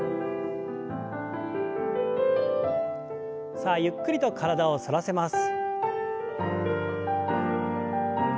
さあゆっくりと体を反らせます。